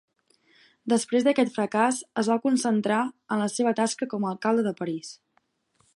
Després d'aquest fracàs, es va concentrar en la seva tasca com a alcalde de París.